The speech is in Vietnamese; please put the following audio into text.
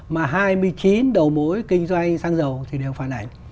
mà hai mươi chín đầu mối kinh doanh xăng dầu thì đều phản ảnh